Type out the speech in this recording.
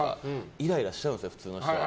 イライラしちゃうじゃないですか普通の人は。